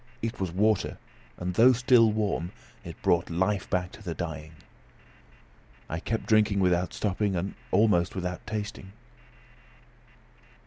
It was water; and though still warm, it brought life back to the dying. I kept drinking without stopping, and almost without tasting.